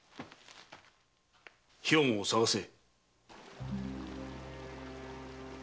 兵庫を捜せ。